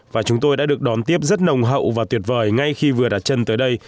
và chúng tôi đã được đón tiếp rất nồng hậu và tuyệt vời ngay khi vừa đặt chân tới đây